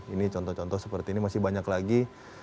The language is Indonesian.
ini contoh contoh seperti ini masih banyak lagi